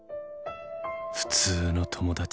普通の友達